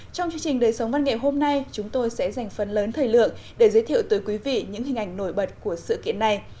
trong chương trình đời sống văn nghệ hôm nay chúng tôi sẽ dành phần lớn thời lượng để giới thiệu tới quý vị những hình ảnh nổi bật của sự kiện này